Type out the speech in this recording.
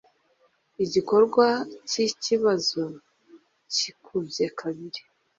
Igikorwa cyikibazo cyikubye kabiri,